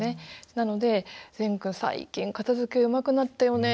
なので「ぜんくん最近片づけうまくなったよね。